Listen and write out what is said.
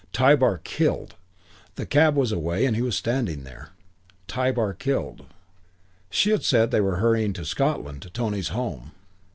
Tybar killed! The cab was away and he was standing there. Tybar killed. She had said they were hurrying to Scotland, to Tony's home.